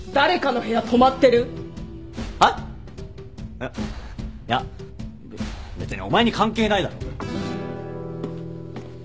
いやいやべっ別にお前に関係ないだろ？